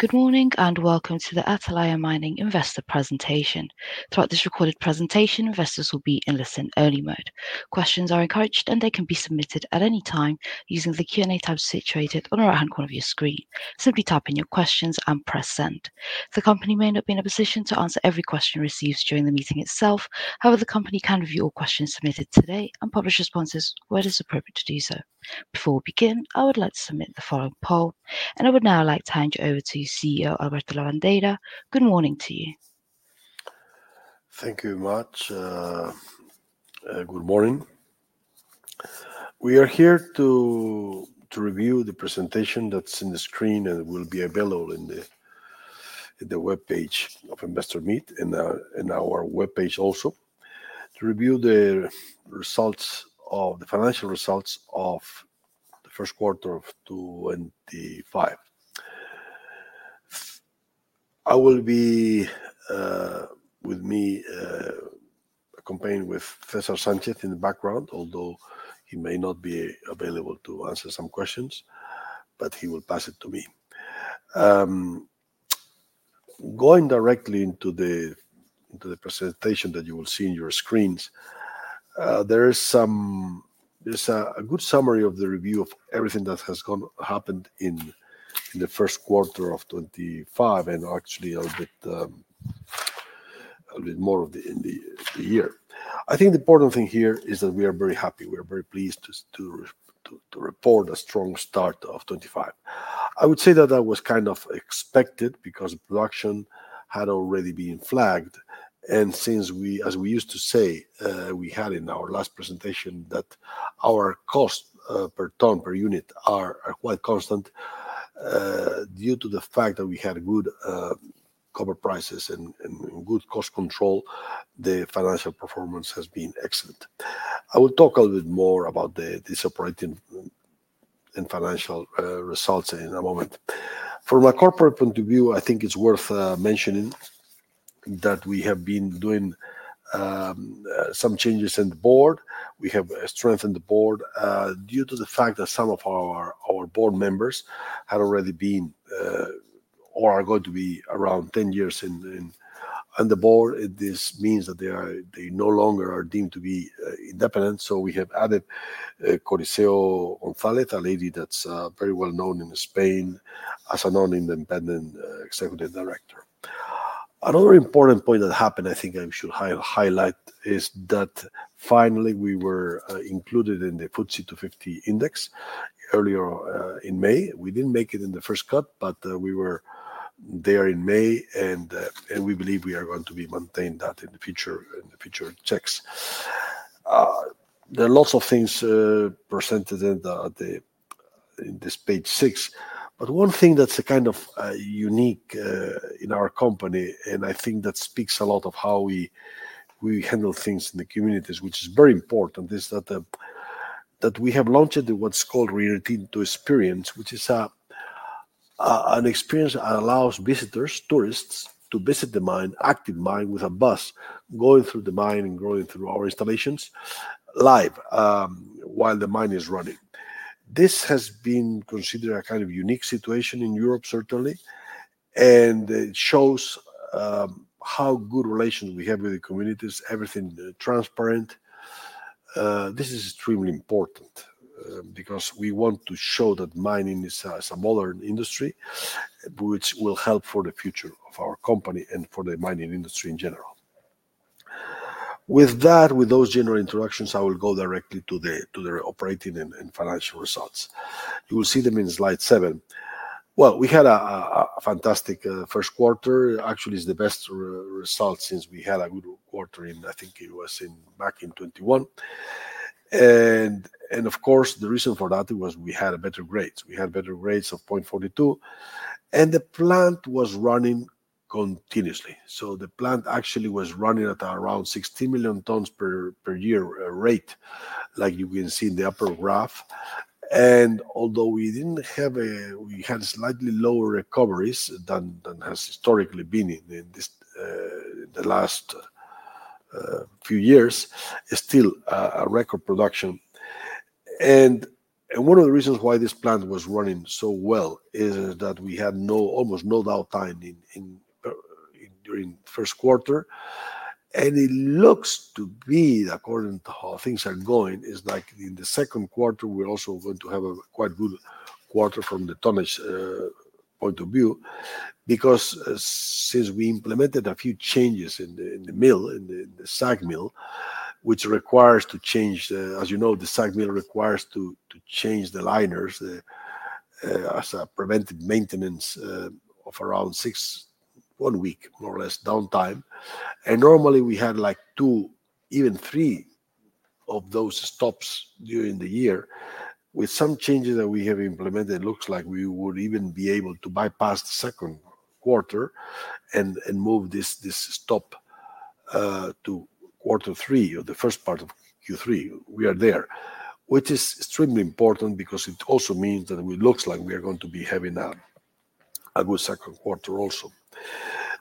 Good morning and welcome to the Atalaya Mining Investor Presentation. Throughout this recorded presentation, investors will be in listen-only mode. Questions are encouraged, and they can be submitted at any time using the Q&A tab situated on the right-hand corner of your screen. Simply type in your questions and press send. The company may not be in a position to answer every question received during the meeting itself. However, the company can review all questions submitted today and publish responses where it is appropriate to do so. Before we begin, I would like to submit the following poll, and I would now like to hand you over to CEO Alberto Lavandeira. Good morning to you. Thank you very much. Good morning. We are here to review the presentation that's on the screen and will be available on the web page of Investor Meet and our web page also to review the results of the financial results of the first quarter of 2025. I will be with me accompanied by César Sánchez in the background, although he may not be available to answer some questions, but he will pass it to me. Going directly into the presentation that you will see on your screens, there is a good summary of the review of everything that has happened in the first quarter of 2025 and actually a little bit more of the year. I think the important thing here is that we are very happy. We are very pleased to report a strong start of 2025. I would say that that was kind of expected because production had already been flagged. Since we, as we used to say, we had in our last presentation that our cost per ton per unit are quite constant due to the fact that we had good copper prices and good cost control, the financial performance has been excellent. I will talk a little bit more about this operating and financial results in a moment. From a corporate point of view, I think it's worth mentioning that we have been doing some changes in the board. We have strengthened the board due to the fact that some of our board members had already been or are going to be around 10 years on the board. This means that they no longer are deemed to be independent. We have added Coriseo Gonzáles, a lady that's very well known in Spain as an independent executive director. Another important point that happened, I think I should highlight, is that finally we were included in the FTSE 250 index earlier in May. We didn't make it in the first cut, but we were there in May, and we believe we are going to be maintaining that in the future checks. There are lots of things presented in this page six, but one thing that's kind of unique in our company, and I think that speaks a lot of how we handle things in the communities, which is very important, is that we have launched what's called Rio Tinto Experience, which is an experience that allows visitors, tourists, to visit the mine, active mine with a bus going through the mine and going through our installations live while the mine is running. This has been considered a kind of unique situation in Europe, certainly, and it shows how good relations we have with the communities, everything transparent. This is extremely important because we want to show that mining is a modern industry, which will help for the future of our company and for the mining industry in general. With that, with those general introductions, I will go directly to the operating and financial results. You will see them in slide seven. We had a fantastic first quarter. Actually, it is the best result since we had a good quarter in, I think it was back in 2021. Of course, the reason for that was we had better grades. We had better grades of 0.42%, and the plant was running continuously. The plant actually was running at around 16 million tons per year rate, like you can see in the upper graph. Although we did not have a, we had slightly lower recoveries than has historically been in the last few years, still a record production. One of the reasons why this plant was running so well is that we had almost no downtime during the first quarter. It looks to be, according to how things are going, like in the second quarter, we're also going to have a quite good quarter from the tonnage point of view because since we implemented a few changes in the mill, in the SAG mill, which requires to change, as you know, the SAG mill requires to change the liners as a preventive maintenance of around six, one week more or less downtime. Normally we had like two, even three of those stops during the year. With some changes that we have implemented, it looks like we would even be able to bypass the second quarter and move this stop to quarter three or the first part of Q3. We are there, which is extremely important because it also means that it looks like we are going to be having a good second quarter also.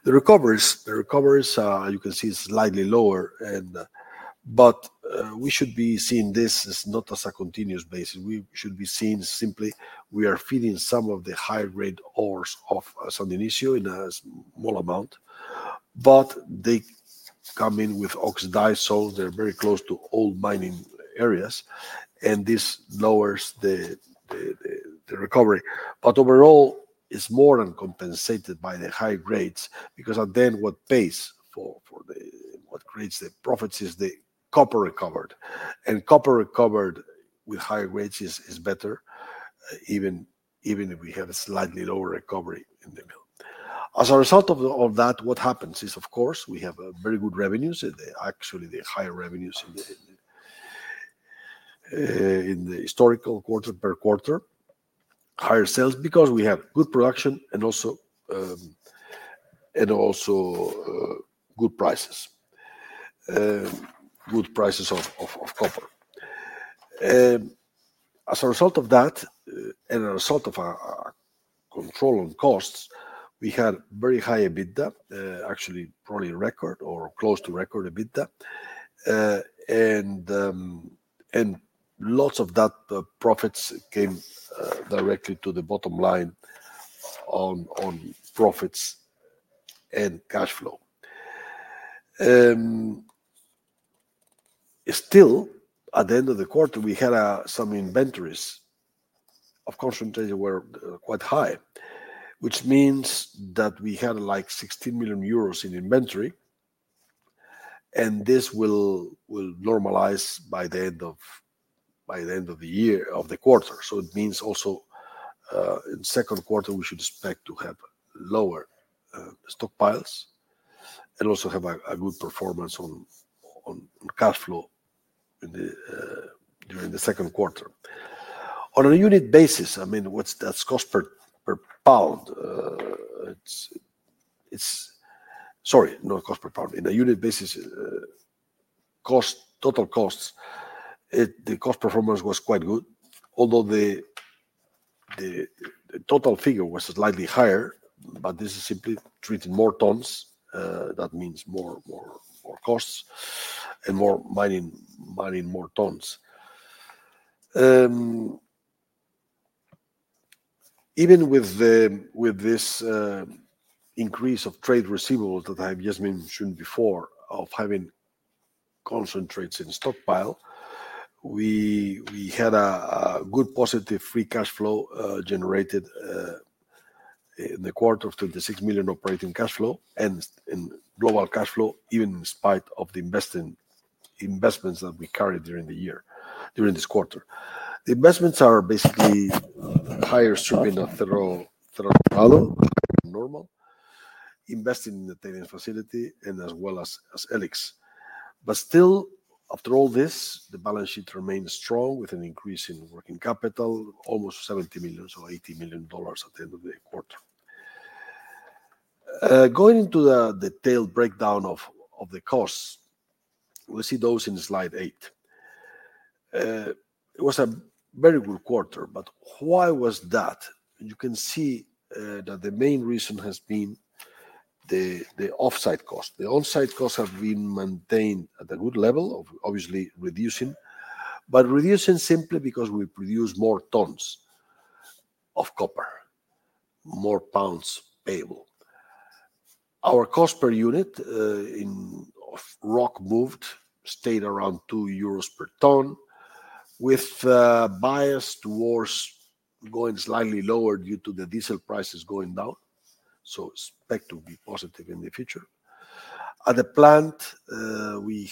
The recoveries, you can see it's slightly lower, but we should be seeing this not as a continuous basis. We should be seeing simply we are feeding some of the higher grade ores of San Dionisio in a small amount, but they come in with oxidized soils. They're very close to old mining areas, and this lowers the recovery. Overall, it's more than compensated by the high grades because then what pays for what creates the profits is the copper recovered. Copper recovered with higher grades is better even if we have a slightly lower recovery in the mill. As a result of that, what happens is, of course, we have very good revenues, actually the higher revenues in the historical quarter per quarter, higher sales because we have good production and also good prices, good prices of copper. As a result of that, and a result of control on costs, we had very high EBITDA, actually probably record or close to record EBITDA, and lots of that profits came directly to the bottom line on profits and cash flow. Still, at the end of the quarter, we had some inventories of concentration were quite high, which means that we had like 16 million euros in inventory, and this will normalize by the end of the year, of the quarter. It means also in second quarter, we should expect to have lower stockpiles and also have a good performance on cash flow during the second quarter. On a unit basis, I mean, what's that cost per pound? Sorry, not cost per pound. In a unit basis, total costs, the cost performance was quite good, although the total figure was slightly higher, but this is simply treating more tons. That means more costs and more mining, mining more tons. Even with this increase of trade receivables that I have just mentioned before of having concentrates in stockpile, we had a good positive free cash flow generated in the quarter of 26 million operating cash flow and global cash flow, even in spite of the investments that we carried during the year, during this quarter. The investments are basically higher stripping of Federal normal, investing in the tailing facility and as well as E-LIX. Still, after all this, the balance sheet remained strong with an increase in working capital, almost $70 million or $80 million at the end of the quarter. Going into the detailed breakdown of the costs, we see those in slide eight. It was a very good quarter, but why was that? You can see that the main reason has been the offsite cost. The onsite costs have been maintained at a good level of obviously reducing, but reducing simply because we produce more tons of copper, more pounds payable. Our cost per unit of rock moved stayed around 2 euros per ton with bias towards going slightly lower due to the diesel prices going down. Expect to be positive in the future. At the plant, we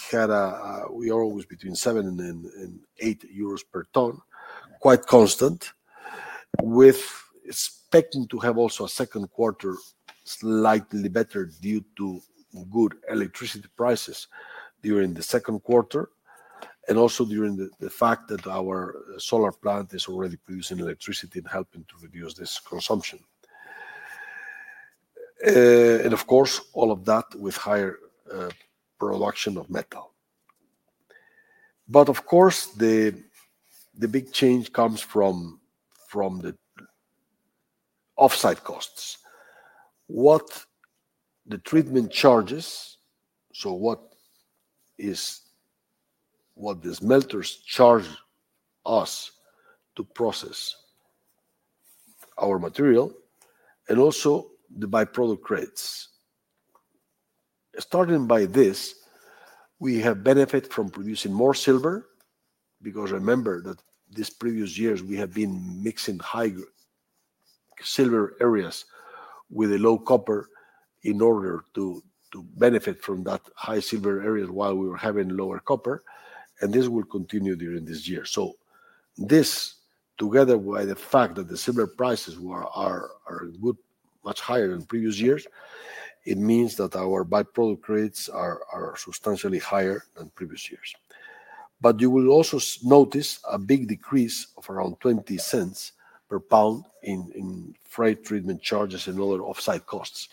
are always between 7-8 euros per ton, quite constant, with expecting to have also a second quarter slightly better due to good electricity prices during the second quarter and also during the fact that our solar plant is already producing electricity and helping to reduce this consumption. Of course, all of that with higher production of metal. The big change comes from the offsite costs. What the treatment charges, so what the smelters charge us to process our material and also the byproduct rates. Starting by this, we have benefited from producing more silver because remember that these previous years we have been mixing silver areas with a low copper in order to benefit from that high silver area while we were having lower copper, and this will continue during this year. This together by the fact that the silver prices are much higher than previous years, it means that our byproduct rates are substantially higher than previous years. You will also notice a big decrease of around $0.20 per pound in freight treatment charges and other offsite costs.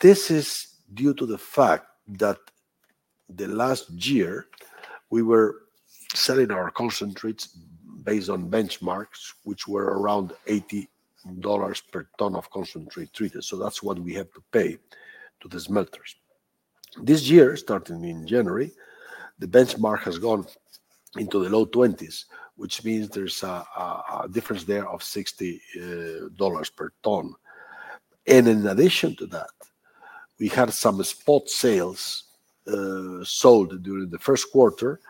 This is due to the fact that last year we were selling our concentrates based on benchmarks, which were around $80 per ton of concentrate treated. That's what we have to pay to the smelters. This year, starting in January, the benchmark has gone into the low 20s, which means there's a difference there of $60 per ton. In addition to that, we had some spot sales sold during the first quarter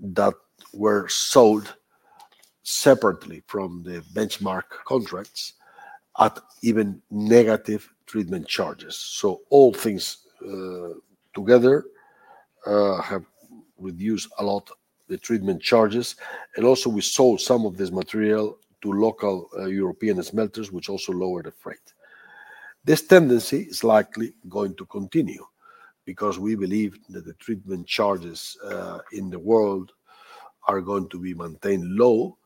that were sold separately from the benchmark contracts at even negative treatment charges. All things together have reduced a lot the treatment charges. Also, we sold some of this material to local European smelters, which also lowered the freight. This tendency is likely going to continue because we believe that the treatment charges in the world are going to be maintained low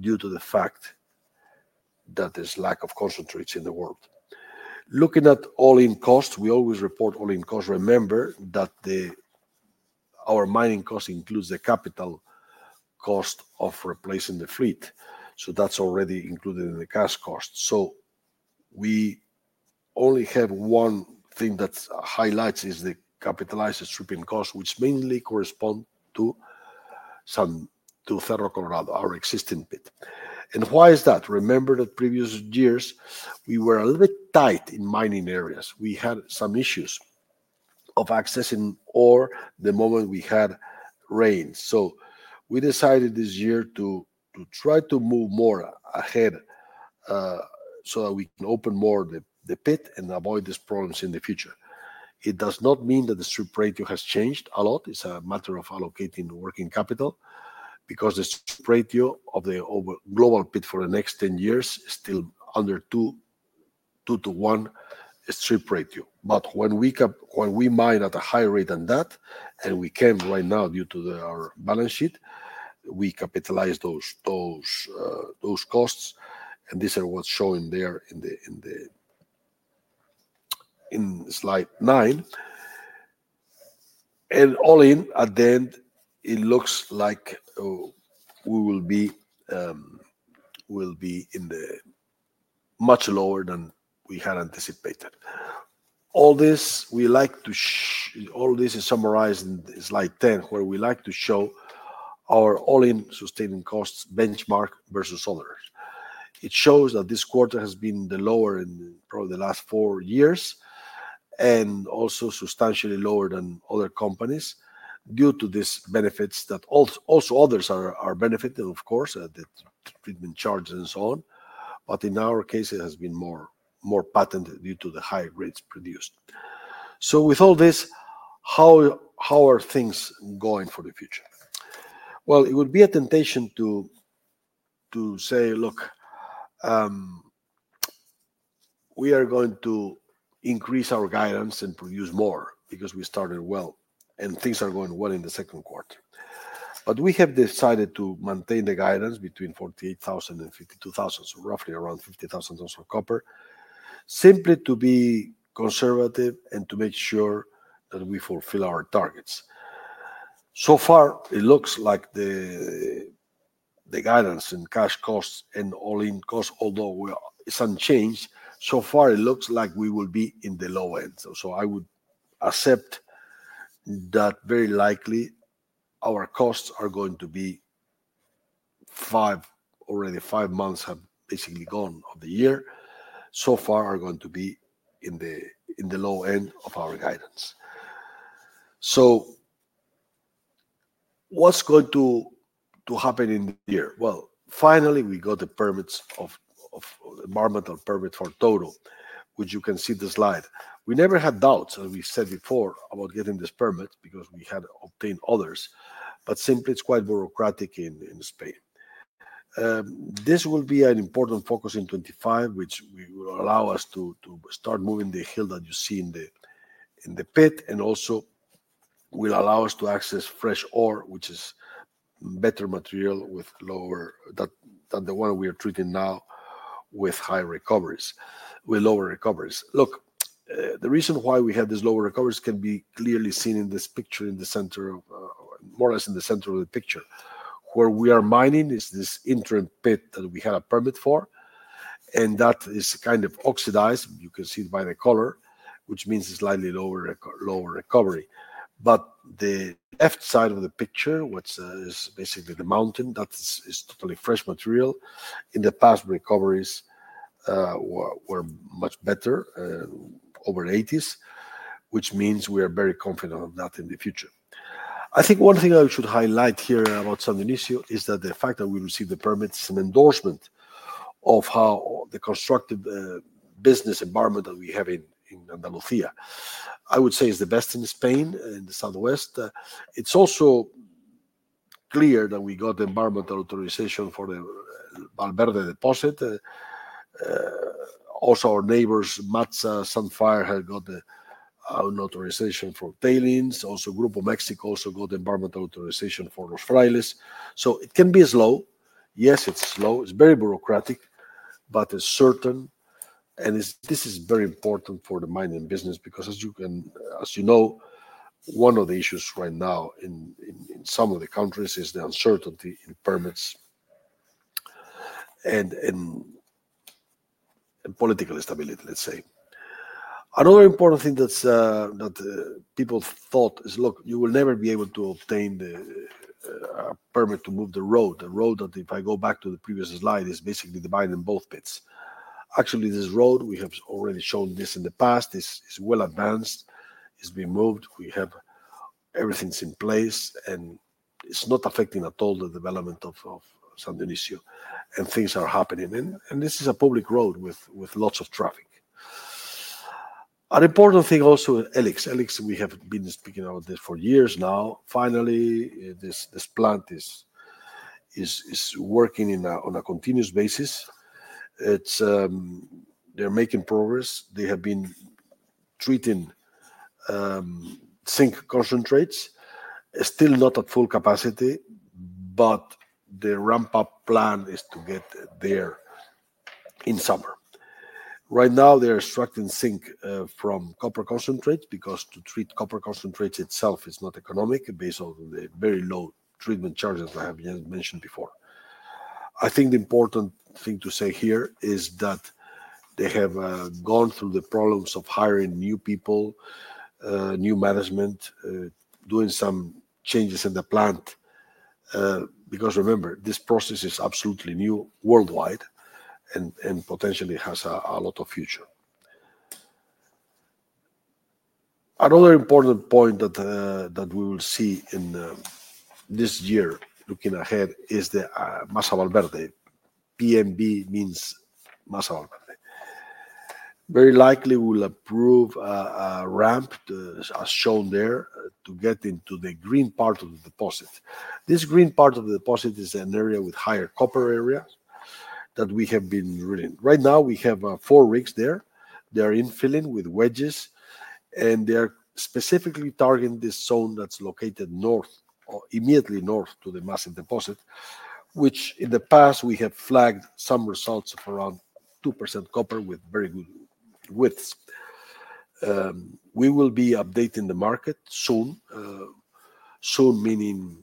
due to the fact that there's lack of concentrates in the world. Looking at all-in costs, we always report all-in costs. Remember that our mining cost includes the capital cost of replacing the fleet. That is already included in the cash cost. We only have one thing that highlights the capitalized stripping cost, which mainly corresponds to Federal Colorado, our existing pit. Why is that? Remember that in previous years we were a little bit tight in mining areas. We had some issues accessing ore the moment we had rain. We decided this year to try to move more ahead so that we can open more of the pit and avoid these problems in the future. It does not mean that the strip ratio has changed a lot. It is a matter of allocating working capital because the strip ratio of the global pit for the next 10 years is still under two-one strip ratio. When we mine at a higher rate than that, and we can right now due to our balance sheet, we capitalize those costs. These are what's shown there in slide nine. All in, at the end, it looks like we will be much lower than we had anticipated. All this, we like to, all this is summarized in slide 10, where we like to show our all-in sustaining costs benchmark versus others. It shows that this quarter has been the lower in probably the last four years and also substantially lower than other companies due to these benefits that also others are benefited, of course, at the treatment charges and so on. In our case, it has been more patented due to the higher rates produced. With all this, how are things going for the future? It would be a temptation to say, look, we are going to increase our guidance and produce more because we started well and things are going well in the second quarter. We have decided to maintain the guidance between 48,000 and 52,000, so roughly around 50,000 tons of copper, simply to be conservative and to make sure that we fulfill our targets. So far, it looks like the guidance and cash costs and all-in costs, although unchanged, so far it looks like we will be in the low end. I would accept that very likely our costs are going to be five, already five months have basically gone of the year. So far, are going to be in the low end of our guidance. What's going to happen in the year? Finally, we got the environmental permits for Touro, which you can see in the slide. We never had doubts, as we said before, about getting this permit because we had obtained others, but simply it is quite bureaucratic in Spain. This will be an important focus in 2025, which will allow us to start moving the hill that you see in the pit, and also will allow us to access fresh ore, which is better material with lower grades than the one we are treating now, with high recoveries, with lower recoveries. Look, the reason why we have these lower recoveries can be clearly seen in this picture, in the center of, more or less in the center of the picture, where we are mining is this interim pit that we had a permit for, and that is kind of oxidized. You can see it by the color, which means it's slightly lower recovery. The left side of the picture, which is basically the mountain, that is totally fresh material. In the past, recoveries were much better over the 80s, which means we are very confident of that in the future. I think one thing I should highlight here about San Dionisio is that the fact that we received the permit is an endorsement of how the constructed business environment that we have in Andalucía. I would say it's the best in Spain, in the southwest. It's also clear that we got the environmental authorization for the Valverde deposit. Also, our neighbors, MATSA, Sunfire, have got an authorization for tailings. Also, Grupo México also got environmental authorization for Los Frailes. It can be slow. Yes, it's slow. It's very bureaucratic, but it's certain. This is very important for the mining business because, as you know, one of the issues right now in some of the countries is the uncertainty in permits and political stability, let's say. Another important thing that people thought is, look, you will never be able to obtain a permit to move the road, the road that if I go back to the previous slide, is basically dividing both pits. Actually, this road, we have already shown this in the past, is well advanced. It's been moved. We have everything's in place, and it's not affecting at all the development of San Dionisio, and things are happening. This is a public road with lots of traffic. An important thing also, E-LIX. E-LIX, we have been speaking about this for years now. Finally, this plant is working on a continuous basis. They're making progress. They have been treating zinc concentrates. It's still not at full capacity, but the ramp-up plan is to get there in summer. Right now, they are extracting zinc from copper concentrates because to treat copper concentrates itself is not economic based on the very low treatment charges I have mentioned before. I think the important thing to say here is that they have gone through the problems of hiring new people, new management, doing some changes in the plant because, remember, this process is absolutely new worldwide, and potentially has a lot of future. Another important point that we will see in this year, looking ahead, is the Masa Valverde. PMV means Masa Valverde. Very likely we'll approve a ramp, as shown there, to get into the green part of the deposit. This green part of the deposit is an area with higher copper area that we have been really. Right now, we have four rigs there. They are infilling with wedges, and they are specifically targeting this zone that's located immediately north to the massive deposit, which in the past, we have flagged some results of around 2% copper with very good widths. We will be updating the market soon, soon meaning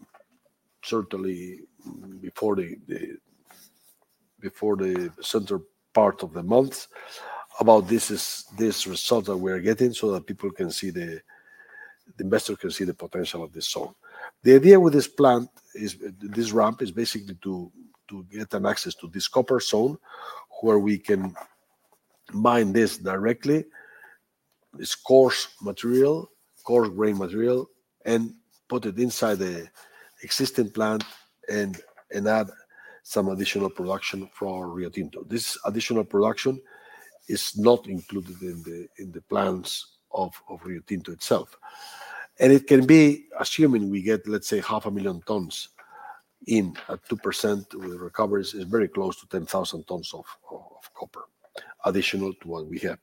certainly before the center part of the month, about this result that we are getting so that people can see, the investor can see the potential of this zone. The idea with this ramp is basically to get access to this copper zone where we can mine this directly, this coarse material, coarse grain material, and put it inside the existing plant and add some additional production for Rio Tinto. This additional production is not included in the plans of Rio Tinto itself. It can be, assuming we get, let's say, 500,000 tons in at 2% with recoveries, it's very close to 10,000 tons of copper additional to what we have.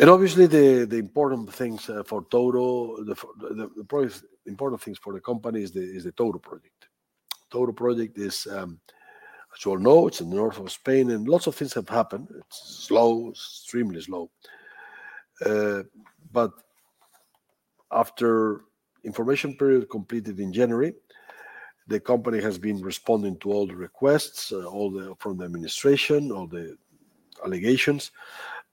Obviously, the important things for Touro, the important things for the company is the Touro project. Touro project is, as you all know, it's in the north of Spain, and lots of things have happened. It's slow, extremely slow. After information period completed in January, the company has been responding to all the requests, all from the administration, all the allegations.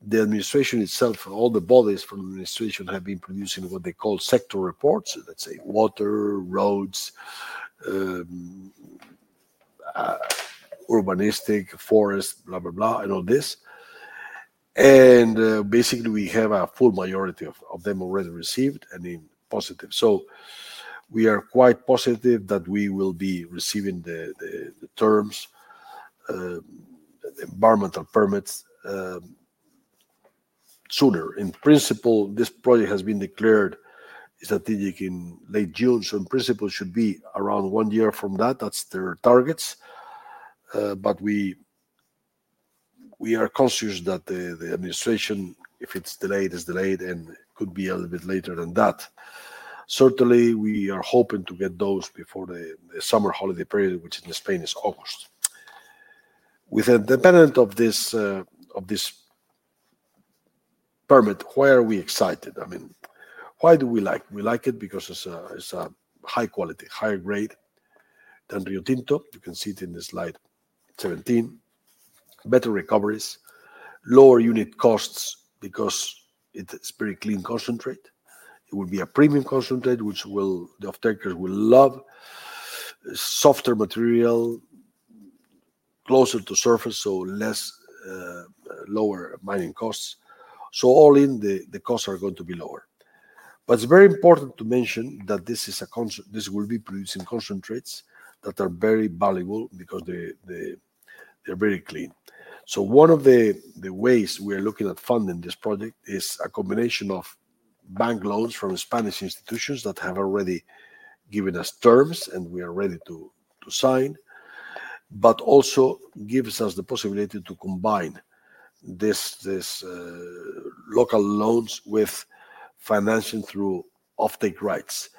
The administration itself, all the bodies from the administration have been producing what they call sector reports, let's say, water, roads, urbanistic, forest, blah, blah, blah, and all this. Basically, we have a full majority of them already received and in positive. We are quite positive that we will be receiving the terms, the environmental permits sooner. In principle, this project has been declared strategic in late June, so in principle, it should be around one year from that. That is their targets. We are conscious that the administration, if it is delayed, it is delayed and could be a little bit later than that. Certainly, we are hoping to get those before the summer holiday period, which in Spain is August. Independent of this permit, why are we excited? I mean, why do we like it? We like it because it is a high quality, higher grade than Rio Tinto. You can see it in slide 17. Better recoveries, lower unit costs because it is very clean concentrate. It will be a premium concentrate, which the off-takers will love. Softer material, closer to surface, so lower mining costs. All in, the costs are going to be lower. It is very important to mention that this will be producing concentrates that are very valuable because they are very clean. One of the ways we are looking at funding this project is a combination of bank loans from Spanish institutions that have already given us terms and we are ready to sign, but it also gives us the possibility to combine these local loans with financing through off-take rights.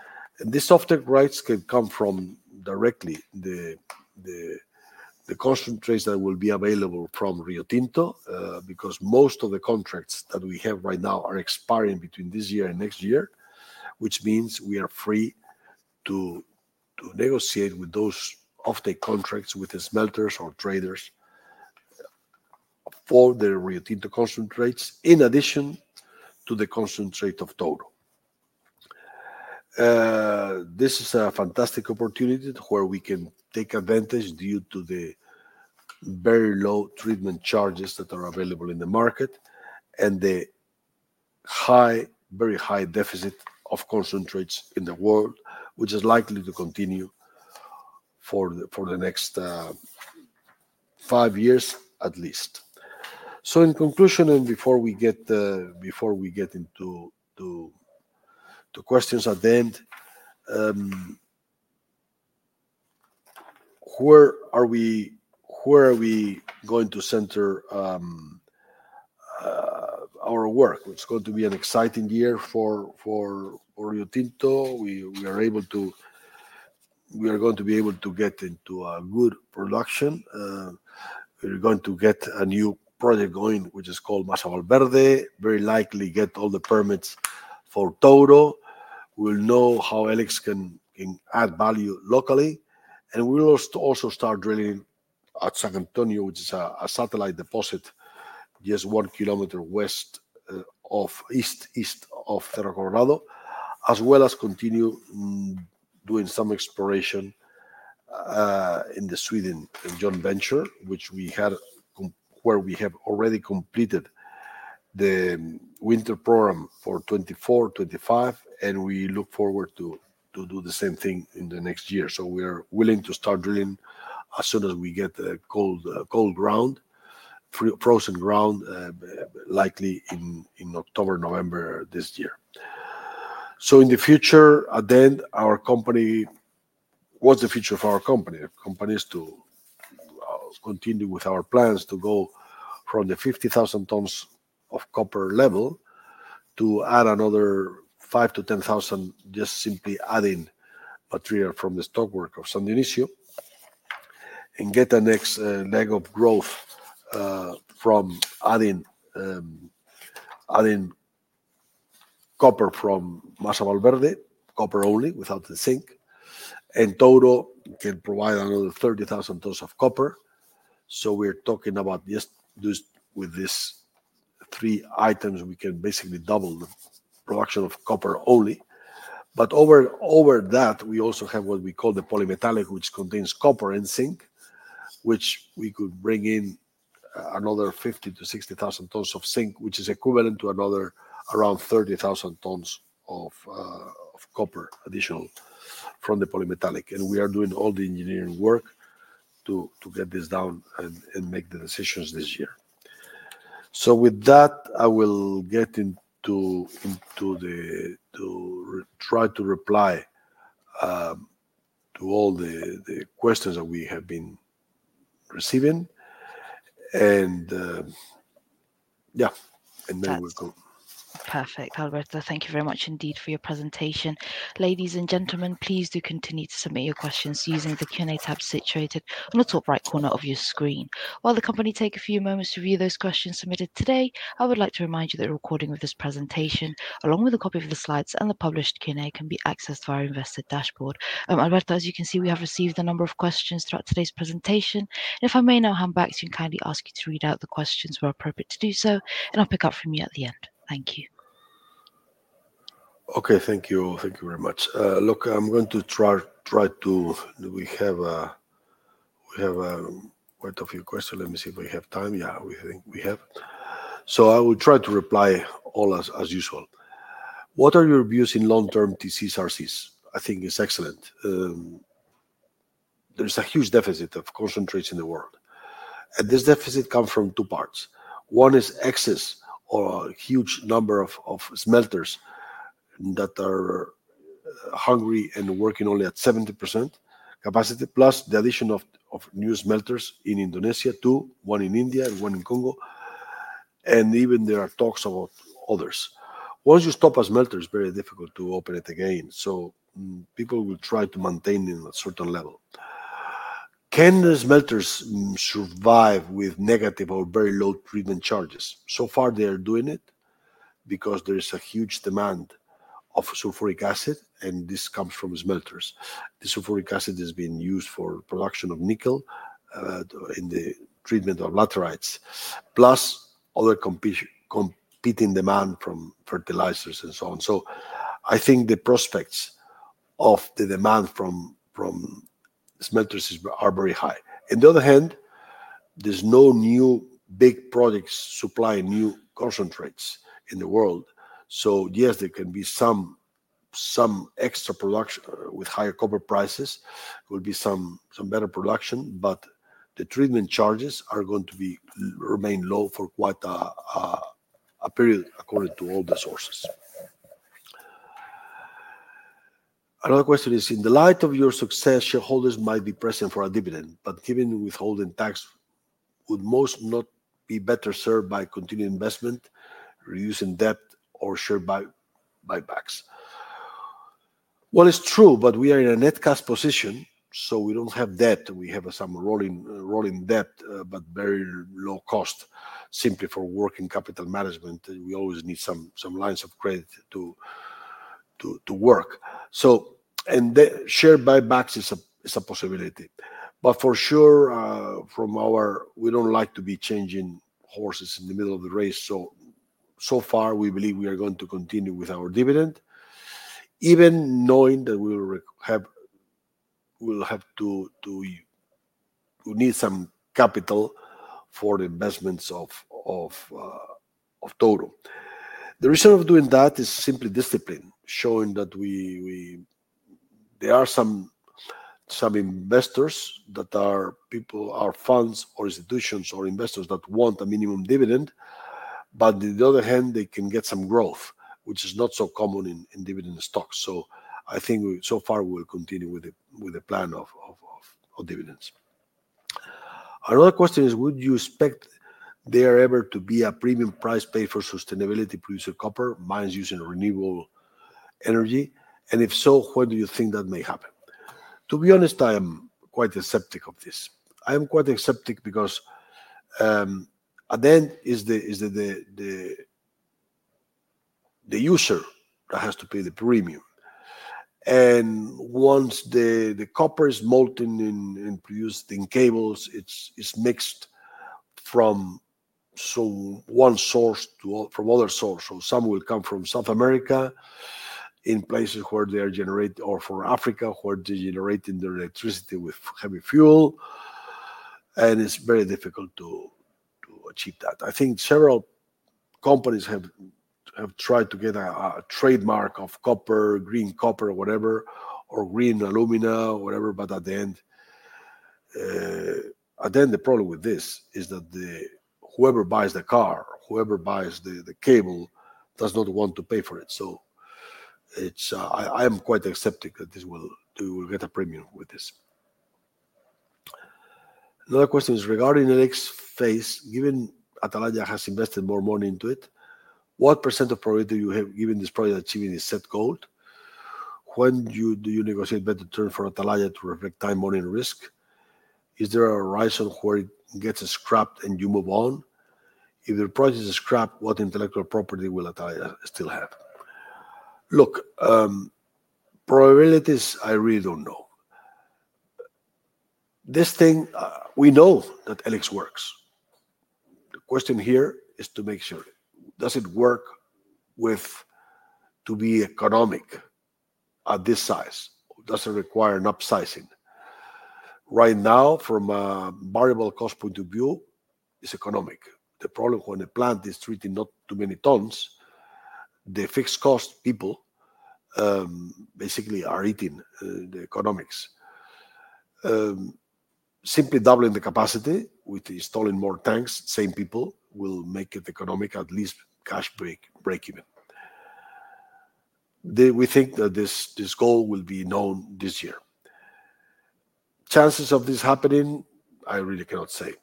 These off-take rights can come from directly the concentrates that will be available from Rio Tinto because most of the contracts that we have right now are expiring between this year and next year, which means we are free to negotiate with those off-take contracts with the smelters or traders for the Rio Tinto concentrates, in addition to the concentrate of Touro. This is a fantastic opportunity where we can take advantage due to the very low treatment charges that are available in the market and the very high deficit of concentrates in the world, which is likely to continue for the next five years at least. In conclusion, and before we get into questions at the end, where are we going to center our work? It's going to be an exciting year for Rio Tinto. We are going to be able to get into a good production. We're going to get a new project going, which is called Masa Valverde, very likely get all the permits for Touro. We'll know how E-LIX can add value locally. We'll also start drilling at San Antonio, which is a satellite deposit just one kilometer east of Terra Colorado, as well as continue doing some exploration in Sweden and the joint venture, where we have already completed the winter program for 2024-2025, and we look forward to doing the same thing next year. We are willing to start drilling as soon as we get cold ground, frozen ground, likely in October-November this year. In the future, at the end, what's the future of our company? Our company is to continue with our plans to go from the 50,000 tons of copper level to add another 5,000-10,000, just simply adding material from the stockwork of San Dionisio, and get the next leg of growth from adding copper from Masa Valverde, copper only, without the zinc. Total can provide another 30,000 tons of copper. We're talking about just with these three items, we can basically double the production of copper only. Over that, we also have what we call the polymetallic, which contains copper and zinc, which we could bring in another 50,000-60,000 tons of zinc, which is equivalent to another around 30,000 tons of copper additional from the polymetallic. We are doing all the engineering work to get this down and make the decisions this year. With that, I will get into try to reply to all the questions that we have been receiving. Yeah, and then we'll go. Perfect. Alberto, thank you very much indeed for your presentation. Ladies and gentlemen, please do continue to submit your questions using the Q&A tab situated on the top right corner of your screen. While the company takes a few moments to view those questions submitted today, I would like to remind you that the recording of this presentation, along with a copy of the slides and the published Q&A, can be accessed via our investor dashboard. Alberto, as you can see, we have received a number of questions throughout today's presentation. If I may now hand back to you and kindly ask you to read out the questions where appropriate to do so, and I'll pick up from you at the end. Thank you. Okay, thank you all. Thank you very much. Look, I'm going to try to, we have quite a few questions. Let me see if we have time. Yeah, we think we have. So I will try to reply all as usual. What are your views in long-term TC/RCs? I think it's excellent. There's a huge deficit of concentrates in the world. This deficit comes from two parts. One is excess or a huge number of smelters that are hungry and working only at 70% capacity, plus the addition of new smelters in Indonesia, two, one in India and one in Congo. There are talks about others. Once you stop a smelter, it's very difficult to open it again. People will try to maintain a certain level. Can the smelters survive with negative or very low treatment charges? So far, they are doing it because there is a huge demand of sulfuric acid, and this comes from smelters. The sulfuric acid has been used for production of nickel in the treatment of laterites, plus other competing demand from fertilizers and so on. I think the prospects of the demand from smelters are very high. On the other hand, there's no new big projects supplying new concentrates in the world. So yes, there can be some extra production with higher copper prices. There will be some better production, but the treatment charges are going to remain low for quite a period according to all the sources. Another question is, in the light of your success, shareholders might be pressing for a dividend, but even withholding tax would most not be better served by continued investment, reducing debt or share buybacks. It is true, but we are in a net cash position, so we do not have debt. We have some rolling debt, but very low cost, simply for working capital management. We always need some lines of credit to work. And share buybacks is a possibility. For sure, we do not like to be changing horses in the middle of the race. So far, we believe we are going to continue with our dividend, even knowing that we will have to need some capital for the investments of Touro. The reason of doing that is simply discipline, showing that there are some investors that are people, our funds, or institutions or investors that want a minimum dividend, but on the other hand, they can get some growth, which is not so common in dividend stocks. I think so far, we will continue with the plan of dividends. Another question is, would you expect there ever to be a premium price paid for sustainability producing copper, mines using renewable energy? If so, when do you think that may happen? To be honest, I am quite skeptical of this. I am quite skeptical because at the end, it's the user that has to pay the premium. Once the copper is molten and produced in cables, it's mixed from one source to from other sources. Some will come from South America in places where they are generating, or from Africa where they're generating their electricity with heavy fuel. It's very difficult to achieve that. I think several companies have tried to get a trademark of copper, green copper, whatever, or green alumina, whatever, but at the end, the problem with this is that whoever buys the car, whoever buys the cable, does not want to pay for it. I am quite skeptical that we will get a premium with this. Another question is regarding the next phase, given Atalaya has invested more money into it, what percent of probability do you have given this project achieving its set goal? When do you negotiate better terms for Atalaya to reflect time, money, and risk? Is there a horizon where it gets scrapped and you move on? If the project is scrapped, what intellectual property will Atalaya still have? Look, probabilities, I really do not know. This thing, we know that E-LIX works. The question here is to make sure, does it work to be economic at this size? Does it require an upsizing? Right now, from a variable cost point of view, it is economic. The problem when a plant is treating not too many tons, the fixed cost people basically are eating the economics. Simply doubling the capacity with installing more tanks, same people will make it economic, at least cash break even. We think that this goal will be known this year. Chances of this happening, I really cannot say.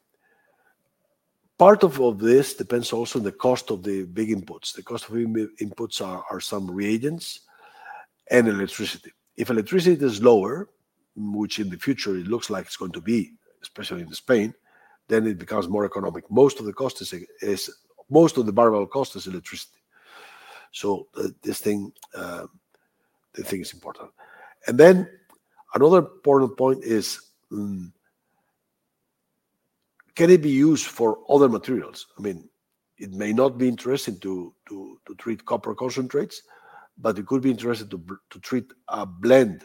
Part of this depends also on the cost of the big inputs. The cost of inputs are some reagents and electricity. If electricity is lower, which in the future it looks like it's going to be, especially in Spain, then it becomes more economic. Most of the cost is, most of the variable cost is electricity. The thing is important. Another important point is, can it be used for other materials? I mean, it may not be interesting to treat copper concentrates, but it could be interesting to treat a blend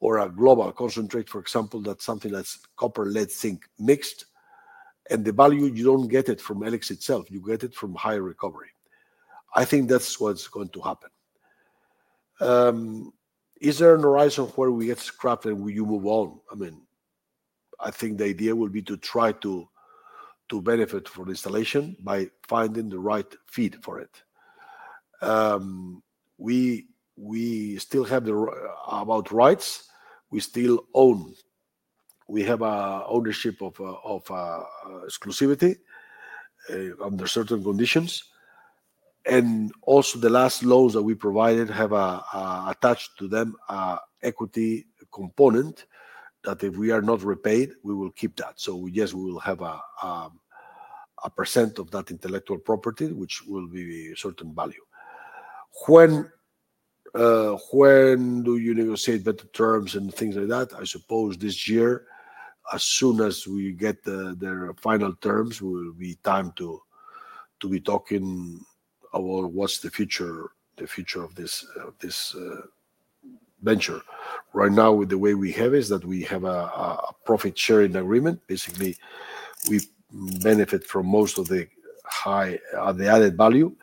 or a global concentrate, for example, that's something that's copper lead zinc mixed, and the value, you don't get it from E-LIX itself. You get it from high recovery. I think that's what's going to happen. Is there a horizon where we get scrapped and you move on? I mean, I think the idea will be to try to benefit from installation by finding the right feed for it. We still have about rights. We still own. We have ownership of exclusivity under certain conditions. Also, the last loans that we provided have attached to them an equity component that if we are not repaid, we will keep that. Yes, we will have a percent of that intellectual property, which will be a certain value. When do you negotiate better terms and things like that? I suppose this year, as soon as we get the final terms, will be time to be talking about what is the future of this venture. Right now, with the way we have it, is that we have a profit sharing agreement. Basically, we benefit from most of the added value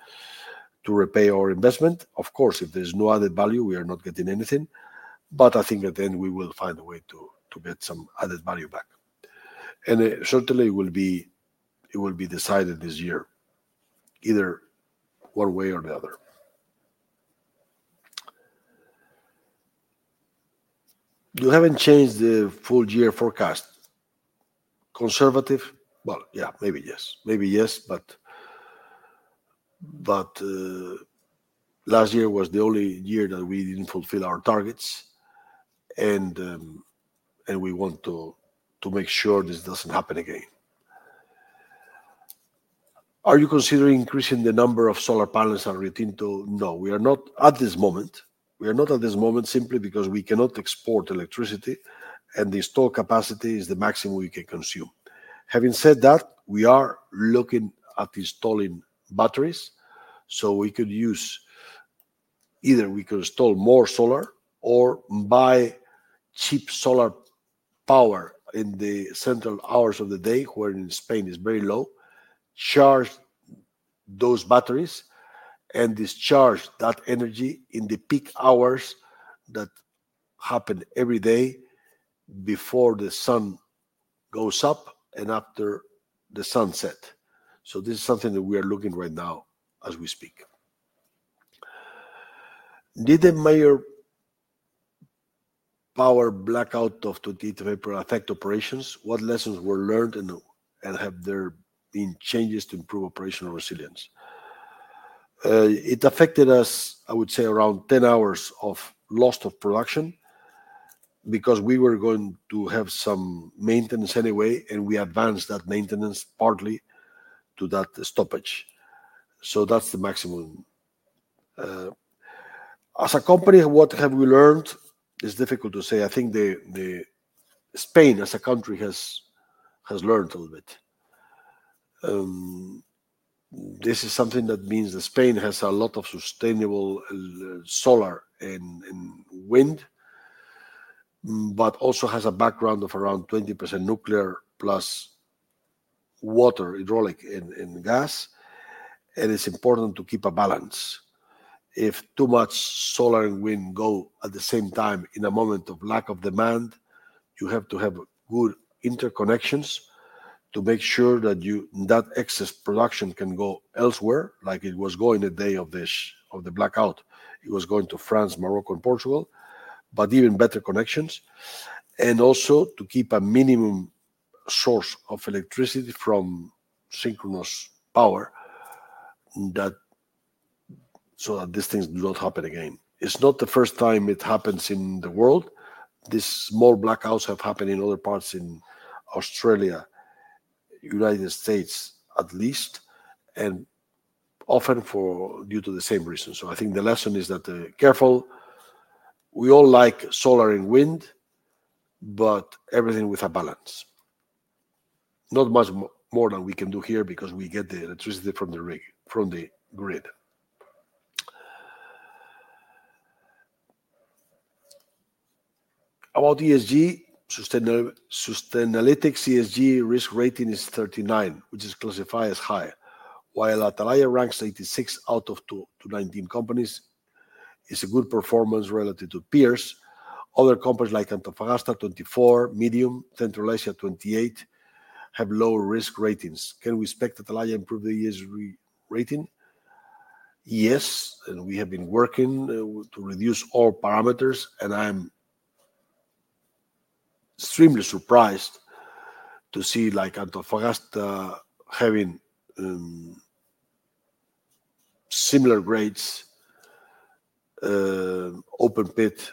to repay our investment. Of course, if there is no added value, we are not getting anything. I think at the end, we will find a way to get some added value back. It will be decided this year, either one way or the other. You have not changed the full year forecast. Conservative? Maybe yes. Maybe yes, but last year was the only year that we did not fulfill our targets, and we want to make sure this does not happen again. Are you considering increasing the number of solar panels and retain tool? No, we are not at this moment. We are not at this moment simply because we cannot export electricity, and the installed capacity is the maximum we can consume. Having said that, we are looking at installing batteries so we could use either we could install more solar or buy cheap solar power in the central hours of the day, where in Spain is very low, charge those batteries, and discharge that energy in the peak hours that happen every day before the sun goes up and after the sunset. This is something that we are looking at right now as we speak. Did the major power blackout of 28th of April affect operations? What lessons were learned and have there been changes to improve operational resilience? It affected us, I would say, around 10 hours of loss of production because we were going to have some maintenance anyway, and we advanced that maintenance partly to that stoppage. That is the maximum. As a company, what have we learned? It is difficult to say. I think Spain, as a country, has learned a little bit. This is something that means that Spain has a lot of sustainable solar and wind, but also has a background of around 20% nuclear plus water, hydraulic, and gas. It is important to keep a balance. If too much solar and wind go at the same time in a moment of lack of demand, you have to have good interconnections to make sure that that excess production can go elsewhere, like it was going the day of the blackout. It was going to France, Morocco, and Portugal, but even better connections. Also, to keep a minimum source of electricity from synchronous power so that these things do not happen again. It is not the first time it happens in the world. These small blackouts have happened in other parts in Australia, United States at least, and often due to the same reason. I think the lesson is that careful. We all like solar and wind, but everything with a balance. Not much more than we can do here because we get the electricity from the grid. About ESG, sustainability, CSG risk rating is 39, which is classified as high, while Atalaya ranks 86 out of 219 companies. It's a good performance relative to peers. Other companies like Antofagasta, 24, Medium, Central Asia, 28, have low risk ratings. Can we expect Atalaya to improve the ESG rating? Yes, and we have been working to reduce all parameters, and I'm extremely surprised to see Antofagasta having similar grades, open pit,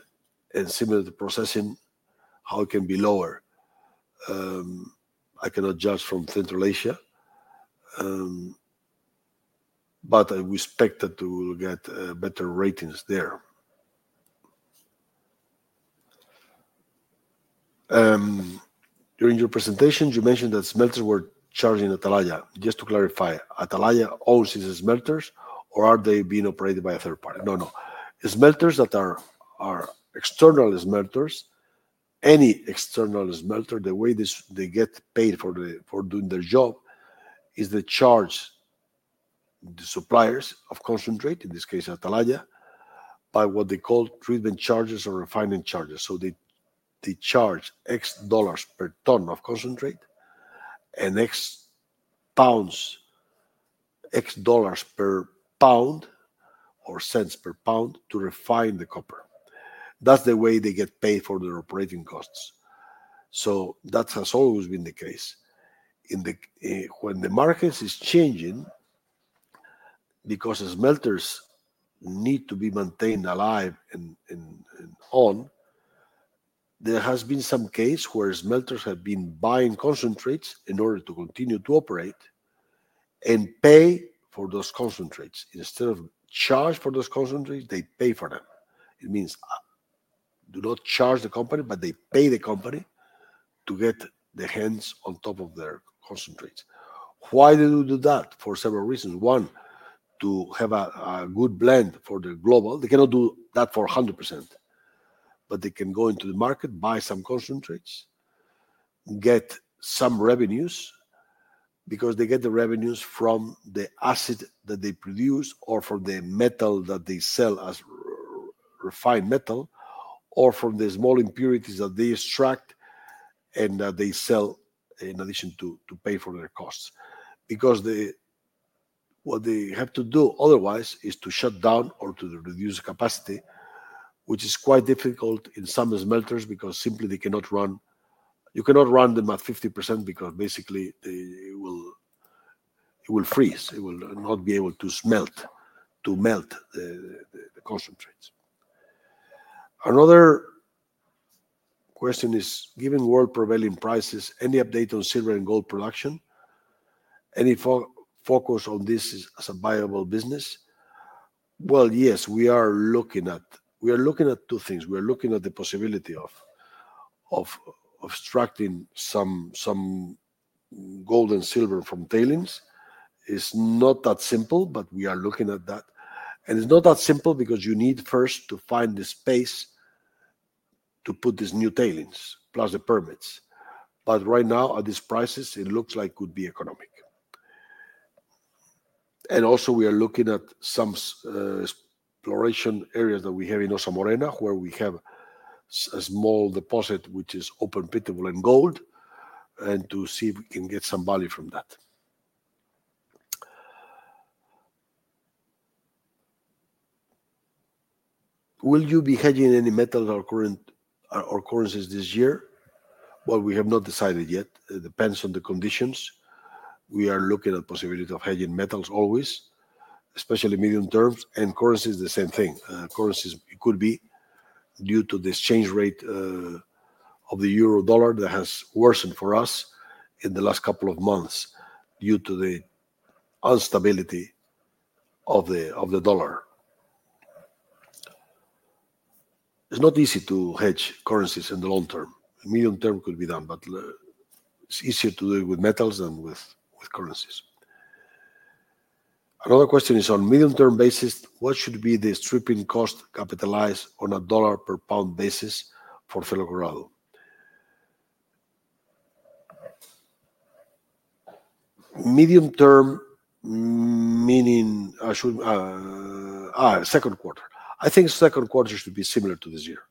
and similar processing, how it can be lower. I cannot judge from Central Asia, but I would expect that to get better ratings there. During your presentation, you mentioned that smelters were charging Atalaya. Just to clarify, Atalaya owns these smelters, or are they being operated by a third party? No, no. Smelters that are external smelters, any external smelter, the way they get paid for doing their job is they charge the suppliers of concentrate, in this case, Atalaya, by what they call treatment charges or refinement charges. They charge X dollars per ton of concentrate and X dollars per pound or cents per pound to refine the copper. That is the way they get paid for their operating costs. That has always been the case. When the market is changing, because smelters need to be maintained alive and on, there has been some case where smelters have been buying concentrates in order to continue to operate and pay for those concentrates. Instead of charge for those concentrates, they pay for them. It means do not charge the company, but they pay the company to get the hands on top of their concentrates. Why do they do that? For several reasons. One, to have a good blend for the global. They cannot do that for 100%, but they can go into the market, buy some concentrates, get some revenues because they get the revenues from the acid that they produce or from the metal that they sell as refined metal or from the small impurities that they extract and that they sell in addition to pay for their costs. Because what they have to do otherwise is to shut down or to reduce capacity, which is quite difficult in some smelters because simply they cannot run. You cannot run them at 50% because basically it will freeze. It will not be able to smelt to melt the concentrates. Another question is, given world prevailing prices, any update on silver and gold production? Any focus on this as a viable business? Yes, we are looking at two things. We are looking at the possibility of extracting some gold and silver from tailings. It's not that simple, but we are looking at that. It's not that simple because you need first to find the space to put these new tailings plus the permits. Right now, at these prices, it looks like it could be economic. Also, we are looking at some exploration areas that we have in Ossa Morena, where we have a small deposit which is open pitable and gold, and to see if we can get some value from that. Will you be hedging any metals or currencies this year? We have not decided yet. It depends on the conditions. We are looking at the possibility of hedging metals always, especially medium terms, and currencies the same thing. Currencies could be due to the exchange rate of the euro dollar that has worsened for us in the last couple of months due to the unstability of the dollar. It's not easy to hedge currencies in the long term. Medium term could be done, but it's easier to do it with metals than with currencies. Another question is on medium-term basis, what should be the stripping cost capitalized on a dollar per pound basis for Felgarado? Medium term, meaning second quarter. I think second quarter should be similar to this year,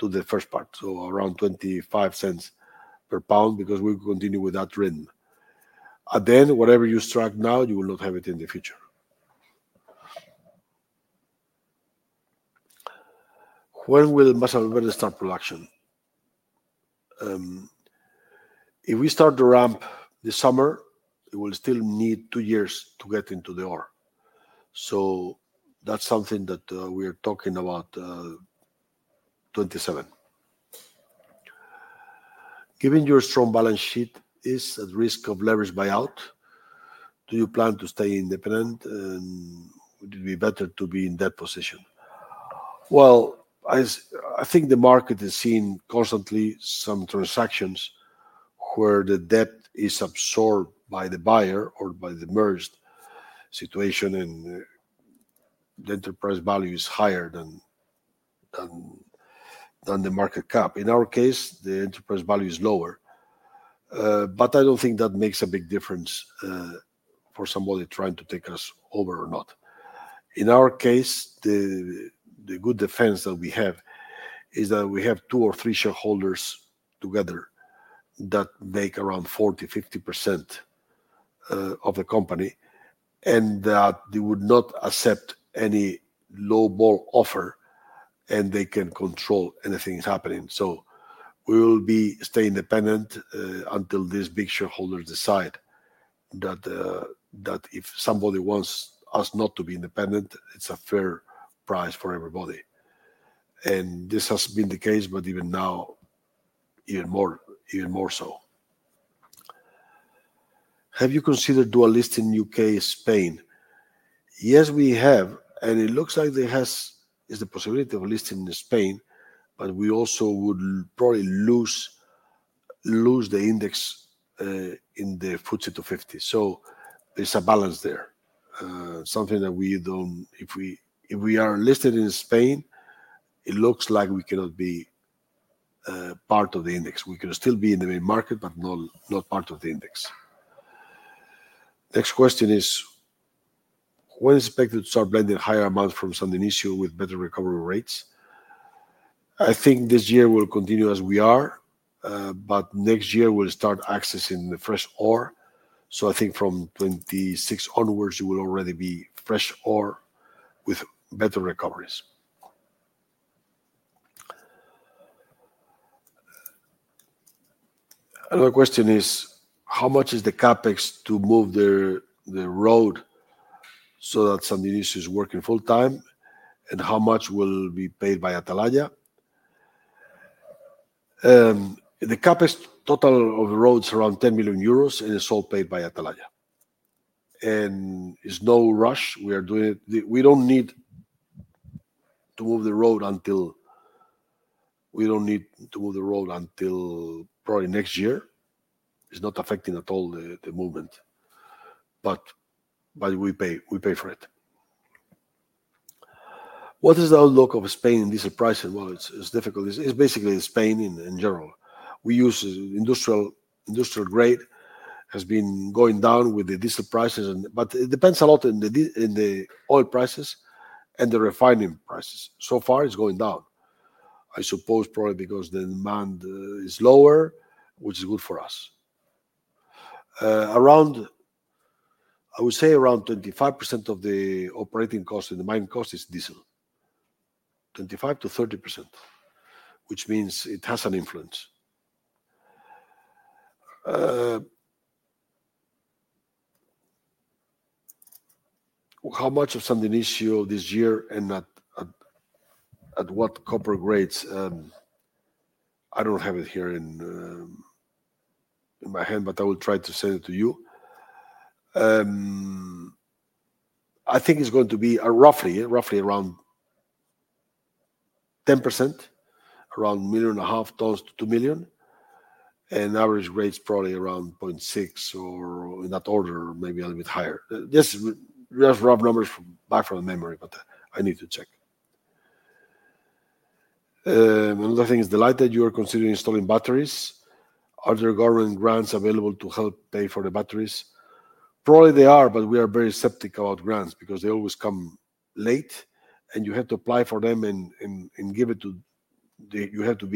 to the first part, so around $0.25 per pound because we will continue with that rhythm. At the end, whatever you extract now, you will not have it in the future. When will Masa Valverde start production? If we start the ramp this summer, it will still need two years to get into the ore. That is something that we are talking about 2027. Given your strong balance sheet, is at risk of leverage buyout? Do you plan to stay independent? Would it be better to be in that position? I think the market is seeing constantly some transactions where the debt is absorbed by the buyer or by the merged situation, and the enterprise value is higher than the market cap. In our case, the enterprise value is lower, but I do not think that makes a big difference for somebody trying to take us over or not. In our case, the good defense that we have is that we have two or three shareholders together that make around 40%-50% of the company, and that they would not accept any lowball offer, and they can control anything happening. We will be staying independent until these big shareholders decide that if somebody wants us not to be independent, it is a fair price for everybody. This has been the case, but even now, even more so. Have you considered do a list in the U.K., Spain? Yes, we have, and it looks like there is the possibility of a list in Spain, but we also would probably lose the index in the FTSE 250. There is a balance there, something that we do not. If we are listed in Spain, it looks like we cannot be part of the index. We can still be in the main market, but not part of the index. Next question is, when is expected to start blending higher amounts from San Dionisio with better recovery rates? I think this year will continue as we are, but next year we will start accessing the fresh ore. I think from 2026 onwards, it will already be fresh ore with better recoveries. Another question is, how much is the CapEx to move the road so that San Dionisio is working full-time, and how much will be paid by Atalaya? The CapEx total of the road is around 10 million euros, and it's all paid by Atalaya. It's no rush. We don't need to move the road until probably next year. It's not affecting at all the movement, but we pay for it. What is the outlook of Spain in diesel prices? It's difficult. It's basically Spain in general. We use industrial grade, has been going down with the diesel prices, but it depends a lot on the oil prices and the refining prices. So far, it's going down, I suppose, probably because the demand is lower, which is good for us. I would say around 25% of the operating cost and the mining cost is diesel, 25%-30%, which means it has an influence. How much of San Dionisio this year and at what copper grades? I don't have it here in my hand, but I will try to send it to you. I think it's going to be roughly around 10%, around 1.5 million-2 million tons, and average grades probably around 0.6 or in that order, maybe a little bit higher. Just rough numbers back from memory, but I need to check. Another thing is the light that you are considering installing batteries. Are there government grants available to help pay for the batteries? Probably they are, but we are very skeptical about grants because they always come late, and you have to apply for them and give it to you have to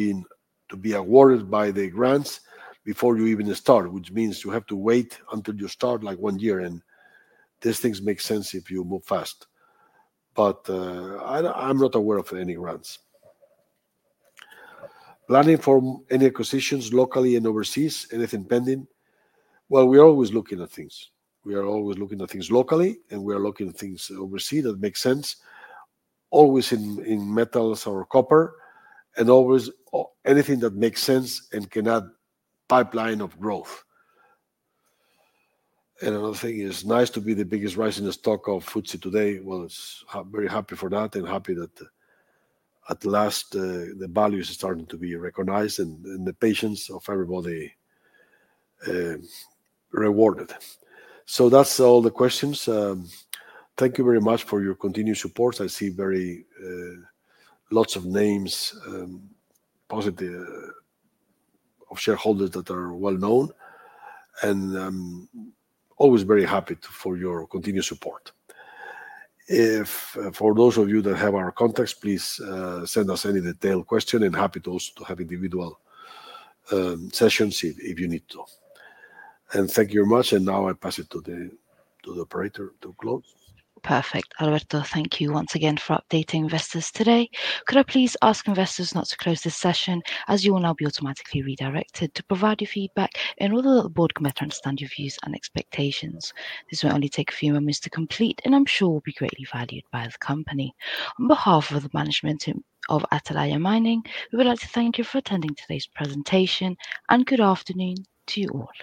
be awarded by the grants before you even start, which means you have to wait until you start like one year, and these things make sense if you move fast. I'm not aware of any grants. Planning for any acquisitions locally and overseas, anything pending? We're always looking at things. We are always looking at things locally, and we are looking at things overseas that make sense, always in metals or copper, and always anything that makes sense and can add pipeline of growth. Another thing is nice to be the biggest rising stock of FTSE today. Very happy for that and happy that at last the values are starting to be recognized and the patience of everybody rewarded. That's all the questions. Thank you very much for your continued support. I see lots of names, positive of shareholders that are well-known, and always very happy for your continued support. For those of you that have our contacts, please send us any detailed question, and happy to also have individual sessions if you need to. Thank you very much, and now I pass it to the operator to close. Perfect. Alberto, thank you once again for updating investors today. Could I please ask investors not to close this session as you will now be automatically redirected to provide your feedback in order that the board can better understand your views and expectations? This will only take a few moments to complete, and I'm sure will be greatly valued by the company. On behalf of the management of Atalaya Mining, we would like to thank you for attending today's presentation, and good afternoon to you all.